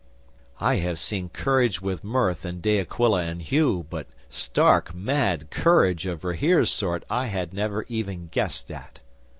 'I have seen courage with mirth in De Aquila and Hugh, but stark mad courage of Rahere's sort I had never even guessed at.